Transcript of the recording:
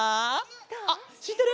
あっしってる？